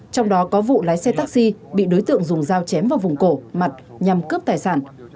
trong đó có vụ lái xe taxi bị đối tượng dùng dao chém vào vùng cổ mặt nhằm cướp tài sản